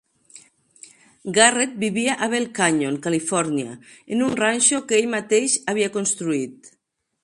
Garrett vivia a Bell Canyon, Califòrnia, en un ranxo que ell mateix havia construït.